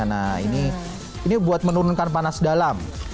nah ini buat menurunkan panas dalam